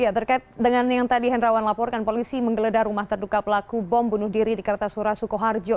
ya terkait dengan yang tadi henrawan laporkan polisi menggeledah rumah terduga pelaku bom bunuh diri di kertasura sukoharjo